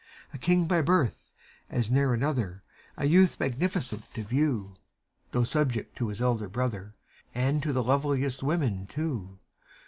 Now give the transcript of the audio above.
A king by birth, as ne'er another, A youth magnificent to view; Though subject to his elder brother, And to the loveliest women, too.